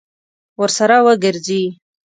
ورسره وګرځي.